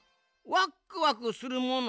ワックワクするもの？